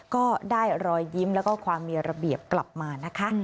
ก็ได้รอยยิ้มแล้วก็ความมีระเบียบกลับมานะคะ